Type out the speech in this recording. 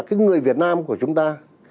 cái người việt nam của chúng ta